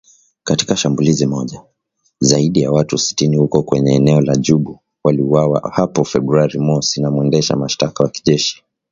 Katika shambulizi moja, zaidi ya watu sitini huko kwenye eneo la Djubu, waliuawa hapo Februari mosi na mwendesha mashtaka wa kijeshi